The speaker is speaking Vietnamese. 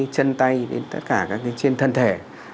chân tay đến tất cả các cái trên thân thể